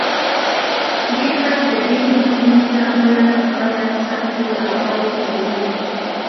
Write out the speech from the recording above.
ډېر خلک د دې محرومیت له امله تر پایه سختې ناخوالې زغمي